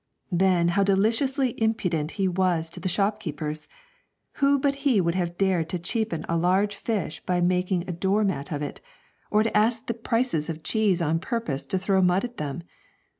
Then how deliciously impudent he was to shopkeepers! Who but he would have dared to cheapen a large fish by making a door mat of it, or to ask the prices of cheeses on purpose to throw mud at them?